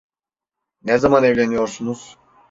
Ne zaman evleniyorsunuz?